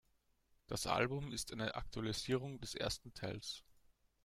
Das Album ist eine Aktualisierung des ersten Teils.